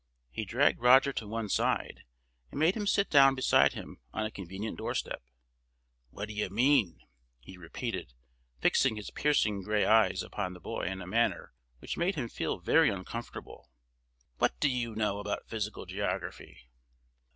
He dragged Roger to one side, and made him sit down beside him on a convenient doorstep. "What d'ye mean?" he repeated, fixing his piercing gray eyes upon the boy in a manner which made him feel very uncomfortable. "What do you know about Physical Geography?"